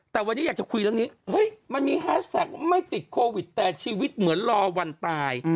แต่วันนี้อยากจะคุยเรื่องนี้เฮ้ยมันมีแฮชแท็กว่าไม่ติดโควิดแต่ชีวิตเหมือนรอวันตาย